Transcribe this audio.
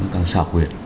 càng sọc huyệt